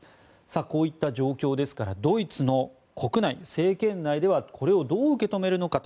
こういった状況ですからドイツの国内、政権内ではこれをどう受け止めるのかと。